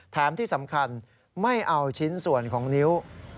ที่สำคัญไม่เอาชิ้นส่วนของนิ้ว